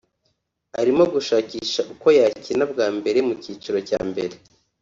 arimo gushakisha uko yakina bwa mbere mu cyiciro cya mbere